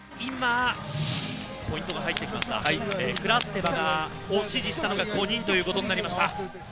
クラステバを支持したのが５人となりました。